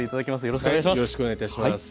よろしくお願いします。